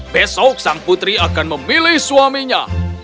besok sang putri akan memilih suaminya